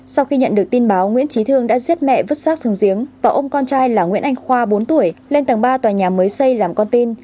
sau khi nhận được tin báo nguyễn trí thương đã giết mẹ vứt sát xuống giếng và ôm con trai là nguyễn anh khoa bốn tuổi lên tầng ba tòa nhà mới xây làm con tin